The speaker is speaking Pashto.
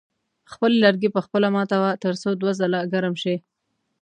خپل لرګي په خپله ماتوه تر څو دوه ځله ګرم شي.